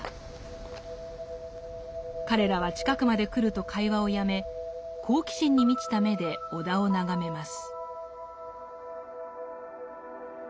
彼らは近くまで来ると会話をやめ好奇心に満ちた目で尾田を眺めます。